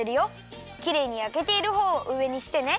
きれいにやけているほうをうえにしてね。